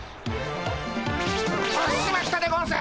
しまったでゴンス！